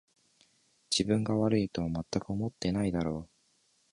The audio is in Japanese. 自分が悪いとはまったく思ってないだろう